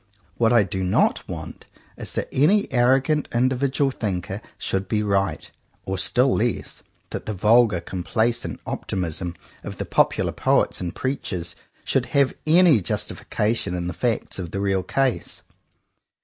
What I do not want is that any arrogant individual thinker should be right; or, still less, that the vulgar com placent optimism of the popular poets and preachers should have any justification in the facts of the real case.